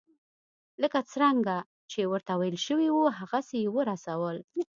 لکه څرنګه چې ورته ویل شوي وو هغسې یې ورسول.